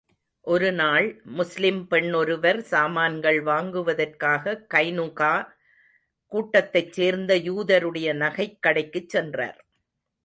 ஒரு நாள், முஸ்லிம் பெண் ஒருவர் சாமான்கள் வாங்குவதற்காக கைனுகா கூட்டத்தைச் சேர்ந்த யூதருடைய நகைக் கடைக்குச் சென்றார்.